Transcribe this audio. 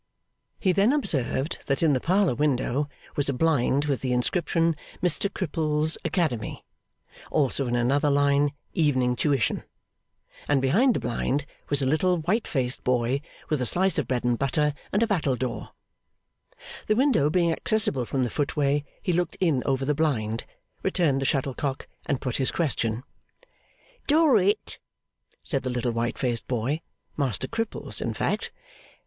He then observed that in the parlour window was a blind with the inscription, MR CRIPPLES's ACADEMY; also in another line, EVENING TUITION; and behind the blind was a little white faced boy, with a slice of bread and butter and a battledore. The window being accessible from the footway, he looked in over the blind, returned the shuttlecock, and put his question. 'Dorrit?' said the little white faced boy (Master Cripples in fact).